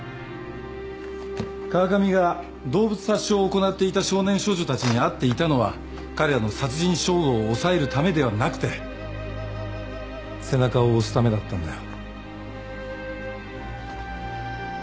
川上が動物殺傷を行っていた少年少女たちに会っていたのは彼らの殺人衝動を抑えるためではなくて背中を押すためだったんだよ。